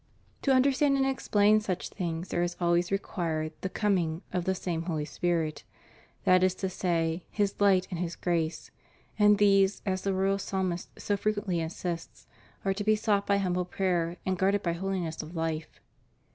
To understand and explain such things there is always required the "coming"^ of the same Holy Spirit; that is to say, His light and His grace; and these, as the royal psalmist so frequently insists, are to be sought by humble prayer and guarded by holiness of life.